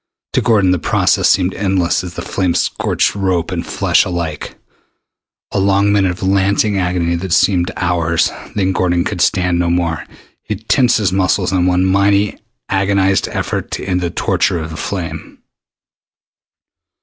To Gordon the process seemed endless as the flame scorched rope and flesh alike. A long minute of lancing agony that seemed hours then Gordon could stand no more. He tensed his muscles in one mighty agonized effort to end the torture of the flame.